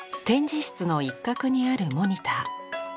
展示室の一角にあるモニター。